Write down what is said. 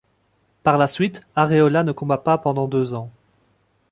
Par la suite, Arreola ne combat pas pendant deux ans.